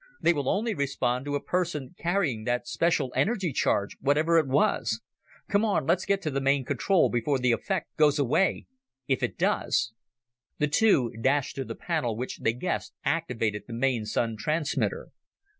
They will only respond to a person carrying that special energy charge, whatever it was. Come on, let's get to the main control, before the effect goes away if it does." The two dashed to the panel which, they guessed, activated the main Sun transmitter.